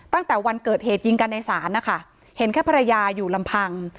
ตั้งแต่วันเกิดเหตุยิงกันในศาลนะคะเห็นแค่ภรรยาอยู่ลำพัง